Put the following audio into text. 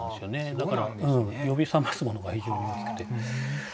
だから呼び覚ますものが非常に大きくて。